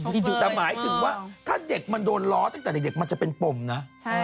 แต่หมายถึงว่าถ้าเด็กมันโดนล้อตั้งแต่เด็กมันจะเป็นปมนะ